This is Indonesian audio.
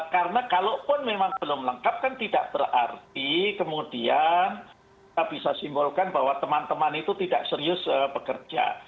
karena kalau pun memang belum lengkap kan tidak berarti kemudian kita bisa simbolkan bahwa teman teman itu tidak serius bekerja